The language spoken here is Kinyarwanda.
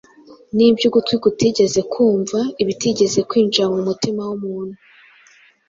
n’ibyo ugutwi kutigeze kumva, ibitigeze kwinjira mu mutima w’umuntu